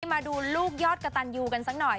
มาดูลูกยอดกระตันยูกันสักหน่อย